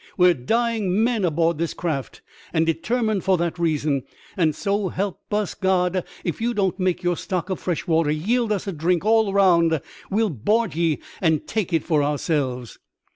" We're dying men aboard this craft, and detarmined for that reason ; and, so help us Hell 1 if you don't make your stock of fresh water yield us a drink all round, we'll board ye and take it for ourselves."